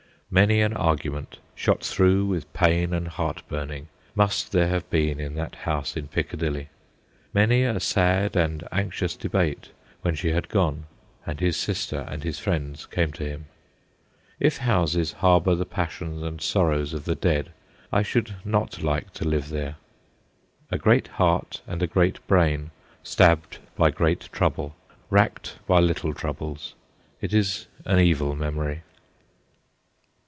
Many an argument, shot through with pain and heart burning, must there have been in that house in Piccadilly ; many a sad and anxious debate when she had gone, and his sister and his friends came to him. If houses harbour the passions and sorrows of the dead, I should not like to live there. A great heart and a great brain stabbed by great trouble, racked by little troubles it is an evil memory.